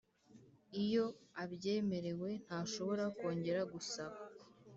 iyo abyemerewe, ntashobora kongera gusaba